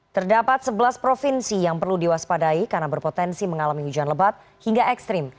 terdapat sebelas provinsi yang perlu diwaspadai karena berpotensi mengalami hujan lebat hingga ekstrim